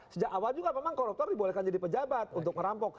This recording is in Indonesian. sejak awal juga memang koruptor dibolehkan jadi pejabat untuk merampok